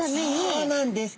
そうなんです！